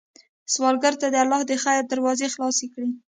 سوالګر ته الله د خیر دروازې خلاصې کړې